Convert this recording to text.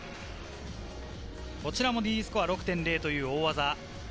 こちらもＤスコア６．０という大技。